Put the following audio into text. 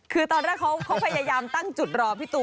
คือตอนแรกเขาพยายามตั้งจุดรอพี่ตูน